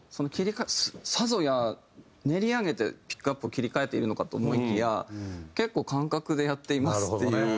さぞや練り上げてピックアップを切り替えているのかと思いきや結構感覚でやっていますっていう。